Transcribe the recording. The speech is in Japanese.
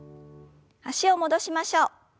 脚を戻しましょう。